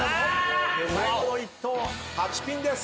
最後の１投８ピンです。